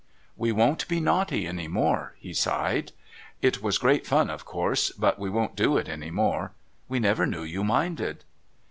"We won't be naughty any more." He sighed. "It was great fun, of course, but we won't do it any more. We never knew you minded."